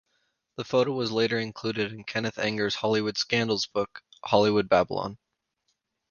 The photo was later included in Kenneth Anger's Hollywood scandals book, "Hollywood Babylon".